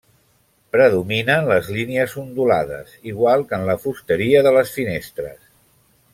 Predominen les línies ondulades, igual que en la fusteria de les finestres.